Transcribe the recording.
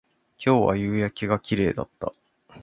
今日は夕焼けが綺麗だった